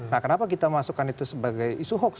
nah kenapa kita masukkan itu sebagai isu hoax